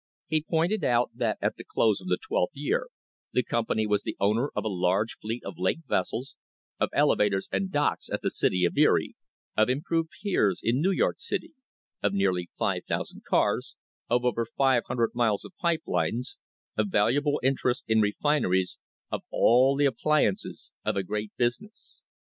He pointed out that at the close of the twelfth year the company was the owner of a large fleet of lake vessels, of elevators and docks at the City of Erie, of improved piers in New York City, of nearly 5,000 cars, of over 500 miles of pipe lines, of valuable interests in refineries, of all the appliances of a great business.